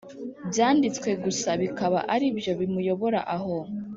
Byanditswe gusa bikaba ari byo bimuyobora aho